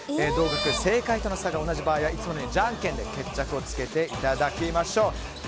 同額、正解との差が同じ場合はいつものようにじゃんけんで決着をつけていただきましょう。